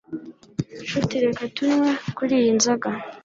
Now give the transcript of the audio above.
Nshuti reka tunywe kuri iyi nzoga